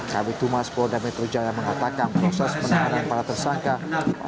kabupaten maspoda metro jaya mengatakan proses penahanan para tersangka